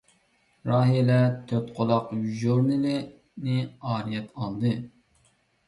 راھىلە «تۆتقۇلاق ژۇرنىلى» نى ئارىيەت ئالدى.